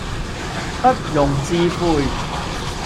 不容置喙